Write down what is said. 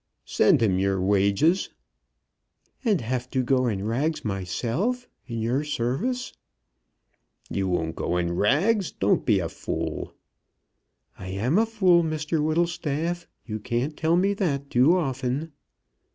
"Send him your wages." "And have to go in rags myself, in your service." "You won't go in rags. Don't be a fool." "I am a fool, Mr Whittlestaff; you can't tell me that too often."